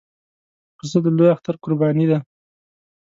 پسه د لوی اختر قرباني ده.